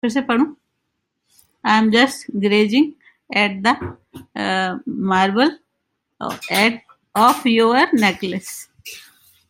I'm just gazing at the marble of your necklace.